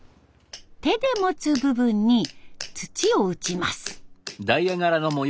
手で持つ部分に槌を打ちます。